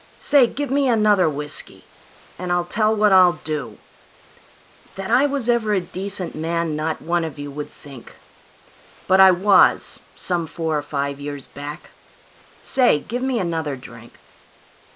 Say! Give me another whiskey, and I'll tell what I'll do That I was ever a decent man not one of you would think; But I was, some four or five years back. Say, give me another drink.